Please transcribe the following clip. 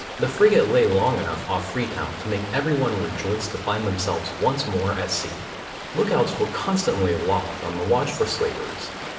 The frigate lay long enough off Freetown to make every one rejoice to find themselves once more at sea. Lookouts were constantly aloft on the watch for slavers.